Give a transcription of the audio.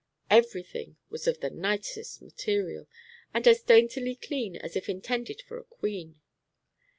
Every thing was of the nicest material, and as daintily clean as if intended for a queen.